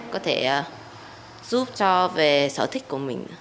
có thể giúp cho về sở thích của mình